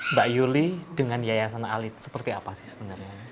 mbak yuli dengan yayasan alit seperti apa sih sebenarnya